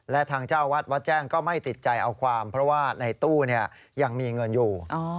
และทางเจ้าวัดวัดแจ้งก็ไม่ติดใจเอาความเพราะว่าในตู้ยังมีเงินอยู่